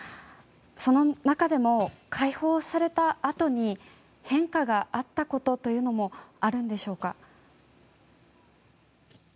その中でも、解放されたあとに変化があったことというのもあるんでしょうか？